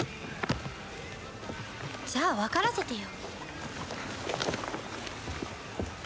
じゃあ分からせてよ